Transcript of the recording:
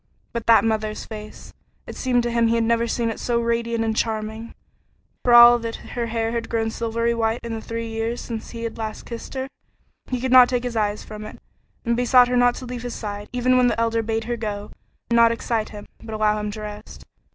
But that mother's face! It seemed to him he had never seen it so radiant and charming, for all that her hair had grown silvery white in the three years since he had last kissed her. He could not take his eyes from it, and besought her not to leave his side, even when the Elder bade her go and not excite him, but allow him to rest.